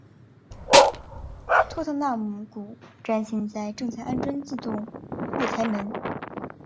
托特纳姆谷站现在正在安装自动月台门。